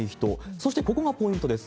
そしてここがポイントです。